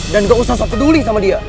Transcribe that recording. dan gak usah sok peduli sama dia